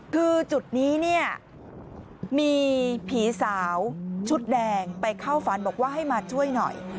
คือจุดนี้เนี่ยมีผีสาวชุดแดงไปเข้าฝันบอกว่าให้มาช่วยหน่อย